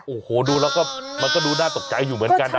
โอ้โหดูแล้วก็มันก็ดูน่าตกใจอยู่เหมือนกันนะ